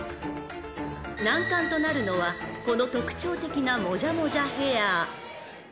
［難関となるのはこの特徴的なもじゃもじゃヘア］